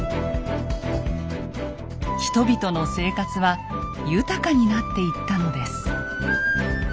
人々の生活は豊かになっていったのです。